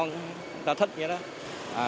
người ta thích như thế đó